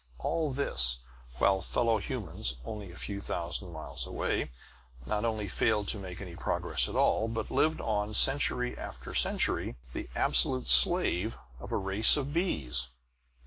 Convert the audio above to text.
All this, while fellow humans only a few thousand miles away, not only failed to make any progress at all, but lived on, century after century, the absolute slave of a race of bees!